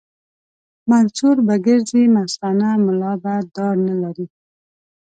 منصور به ګرځي مستانه ملا به دار نه لري